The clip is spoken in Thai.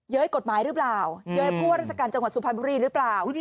กฎหมายหรือเปล่าเย้ยผู้ว่าราชการจังหวัดสุพรรณบุรีหรือเปล่า